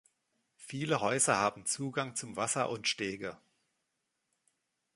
Viele Häuser haben Zugang zum Wasser und Stege.